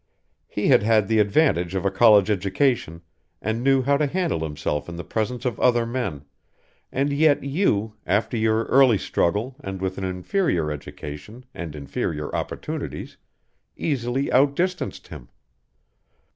He had had the advantage of a college education and knew how to handle himself in the presence of other men, and yet you, after your early struggle and with an inferior education and inferior opportunities, easily outdistanced him.